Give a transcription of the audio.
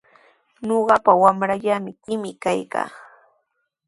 Ñuqaqa wamrallaykimi kaykaa.